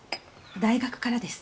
大学からです。